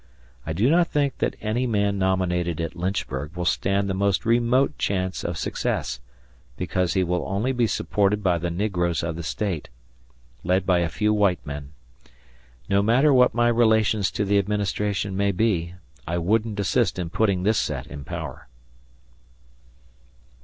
... I do not think that any man nominated at Lynchburg will stand the most remote chance of success, because he will only be supported by the negroes of the State, led by a few white men. No matter what my relations to the administration may be, I wouldn't assist in putting this set in power."